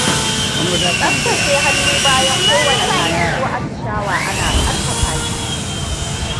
Tsabtacewar hannu bayan kowane tari ko atishawa ana ƙarfafa shi.